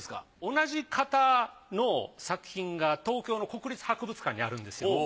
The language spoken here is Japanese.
同じ方の作品が東京の国立博物館にあるんですよ。